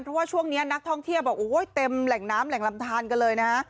เพราะว่าช่วงนี้นักท่องเที่ยวบอกโอ้ยเต็มแหล่งน้ำแหล่งลำทานกันเลยนะ